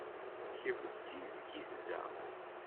Kemm d tinebgit da.